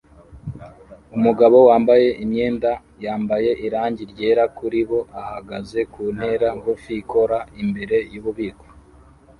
Umugabo wambaye imyenda yambaye irangi ryera kuri bo ahagaze ku ntera ngufi ikora imbere yububiko